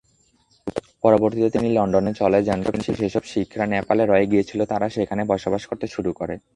পরবর্তীতে, তিনি লন্ডনে চলে যান, কিন্তু যেসব শিখরা নেপালে রয়ে গিয়েছিল তারা সেখানে বসবাস করতে শুরু করে।